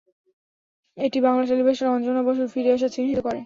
এটি বাংলা টেলিভিশনে অঞ্জনা বসুর ফিরে আসা চিহ্নিত করে।